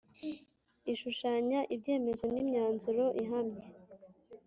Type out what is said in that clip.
Ishushanya ibyemezo n’imyanzuro ihamye